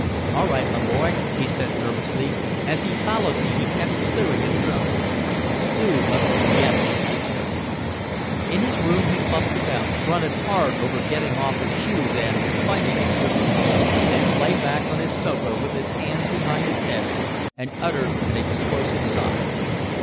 "All right, my boy," he said nervously. As he followed me he kept clearing his throat. Sue must have guessed and prepared him. In his room he fussed about, grunted hard over getting off his shoes and, finding his slippers, then lay back on his sofa with his hands behind his head and uttered an explosive sigh.